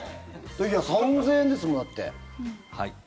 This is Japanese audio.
いや、３０００円ですもんだって。